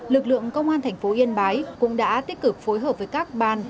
lực lượng công an thành phố yên bái cũng đã tích cực phối hợp với các ban